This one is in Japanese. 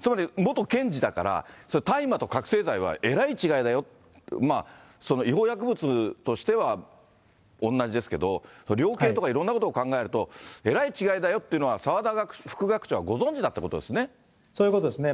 つまり元検事だから、大麻と覚醒剤はえらい違いだよ、違法薬物としては同じですけど、量刑とかいろんなことを考えると、えらい違いだよっていうのは澤田副学長はご存じだったということそういうことですね。